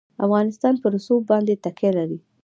افغانستان په رسوب باندې تکیه لري.